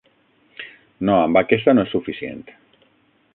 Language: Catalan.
No, amb aquesta no és suficient.